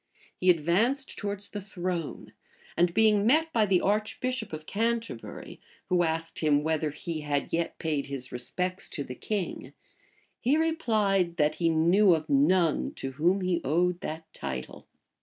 He advanced towards the throne; and being met by the archbishop of Canterbury, who asked him, whether he had yet paid his respects to the king, he replied, that he knew of none to whom he owed that title.